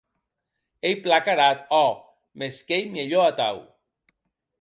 Ei plan carat, òc, mès qu'ei mielhor atau.